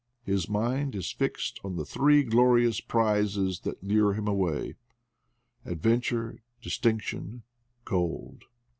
His mind is fixed on the three glori ous prizes that lure him away — Adventure, Dis tinction, Gold.